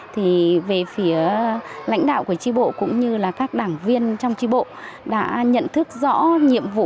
thì về phía lãnh đạo của tri bộ cũng như là các đảng viên trong tri bộ đã nhận thức rõ nhiệm vụ